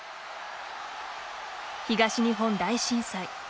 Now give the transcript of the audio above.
東日本大震災。